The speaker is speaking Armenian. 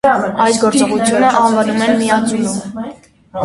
Այս գործողությունը անվանվում է «միաձուլում»։